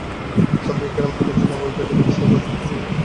সাহাবায়ে কিরামকে মসজিদে নববিতে ডেকে একত্র করে একটি সংক্ষিপ্ত ভাষণ দিলেন।